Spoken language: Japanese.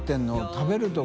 食べるとこ。